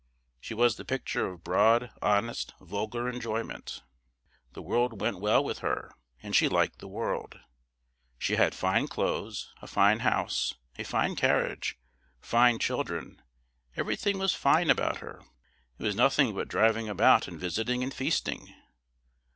She was the picture of broad, honest, vulgar enjoyment. The world went well with her; and she liked the world. She had fine clothes, a fine house, a fine carriage, fine children everything was fine about her: it was nothing but driving about and visiting and feasting.